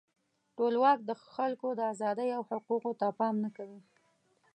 ټولواک د خلکو د آزادۍ او حقوقو ته پام نه کوي.